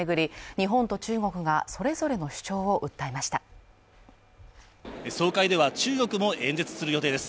日本と中国がそれぞれの主張を訴えました総会では中国も演説する予定です